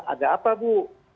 ada apa bu